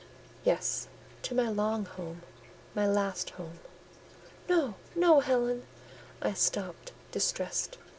"Yes; to my long home—my last home." "No, no, Helen!" I stopped, distressed.